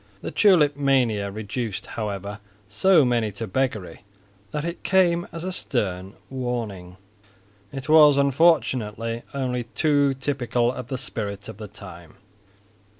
The tulip mania reduced, however, so many to beggary that it came as a stern warning. It was unfortunately only too typical of the spirit of the time.